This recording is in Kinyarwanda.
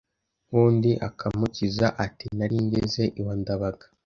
nk’undi akamukiza ati Nari ngeze iwa Ndabaga